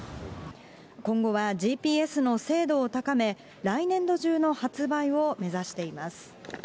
今後はＧＰＳの精度を高め、来年度中の発売を目指しています。